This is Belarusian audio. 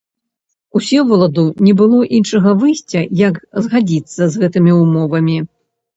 Усеваладу не было іншага выйсця, як згадзіцца з гэтымі ўмовамі.